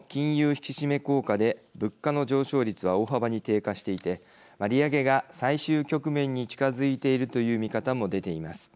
引き締め効果で物価の上昇率は大幅に低下していて利上げが最終局面に近づいているという見方も出ています。